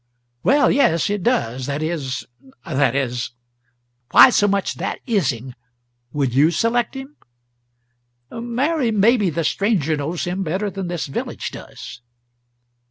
"Well, yes it does. That is that is " "Why so much that is ing? Would you select him?" "Mary, maybe the stranger knows him better than this village does."